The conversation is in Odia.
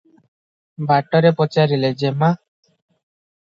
ବାଟରେ ପଚାରିଲେ, "ଯେମା ।